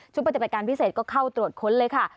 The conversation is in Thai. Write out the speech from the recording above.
ปฏิบัติการพิเศษก็เข้าตรวจค้นเลยค่ะ